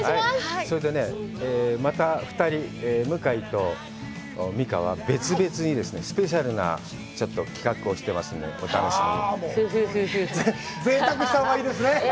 それでね、また２人、向井と美佳は別々にスペシャルな企画をしてますので、お楽しみに。